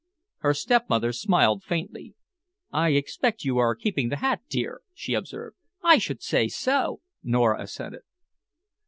Her stepmother smiled faintly. "I expect you are keeping the hat, dear," she observed. "I should say so!" Nora assented.